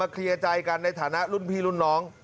เคลียร์ใจกันในฐานะรุ่นพี่รุ่นน้อง